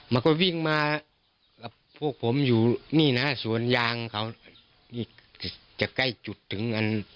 มันก็วิ่งมากับพวกผมอยู่นี่นะสวนยางเขาอีกจะใกล้จุดถึงอัน